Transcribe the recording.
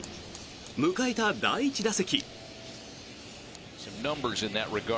迎えた第１打席。